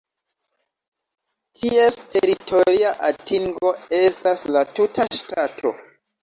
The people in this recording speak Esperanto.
Ties teritoria atingo estas la tuta ŝtato.